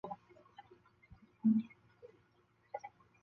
是下辖的一个民族乡。